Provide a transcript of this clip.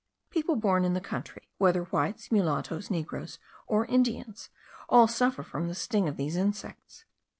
People born in the country, whether whites, mulattoes, negroes, or Indians, all suffer from the sting of these insects.